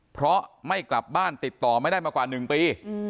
เพราะไม่กลับบ้านติดต่อไม่ได้มากว่า๑ปี